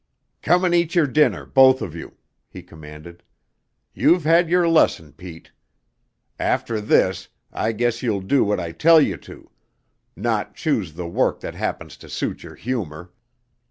"Come and eat your dinner, both of you," he commanded. "You've had your lesson, Pete. After this, I guess you'll do what I tell you to not choose the work that happens to suit your humor.